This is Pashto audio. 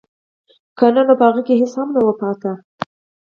که نه نو په هغه کې هېڅ هم نه وو پاتې